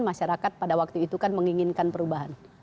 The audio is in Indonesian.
masyarakat pada waktu itu kan menginginkan perubahan